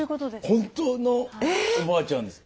本当のおばあちゃんです。